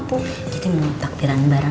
kita mau takbiran bareng